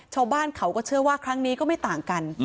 ชาวบ้านเขาก็เชื่อว่าครั้งนี้ก็ไม่ต่างกัน